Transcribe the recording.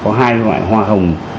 có hai loại hoa hồng